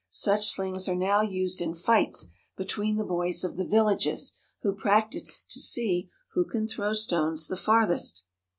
Such slings are now used in fights between the boys of the villages, who practise to see who can throw stones the farthest.